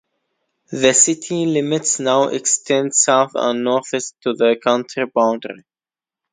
The city limits now extend south and northwest to the county boundary.